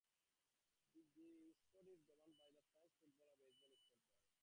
The sport is governed by the French Federation of Baseball and Softball.